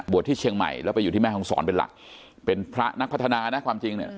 ที่เชียงใหม่แล้วไปอยู่ที่แม่ห้องศรเป็นหลักเป็นพระนักพัฒนานะความจริงเนี่ย